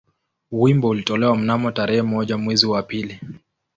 Wimbo ulitolewa mnamo tarehe moja mwezi wa pili